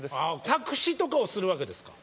作詞とかをするわけですか？